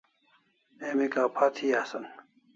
Emi kapha thi asan